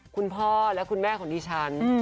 คุณพ่อและคุณแม่ของดิฉัน